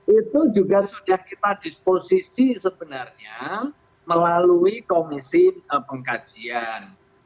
itu juga sudah kita disposisi sebenarnya melalui komisi pengkajian